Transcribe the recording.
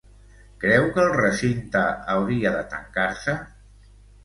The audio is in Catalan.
Creu que el recinte hauria de tancar-se?